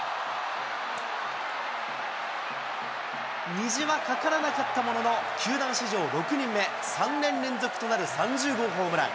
虹はかからなかったものの、球団史上６人目、３年連続となる３０号ホームラン。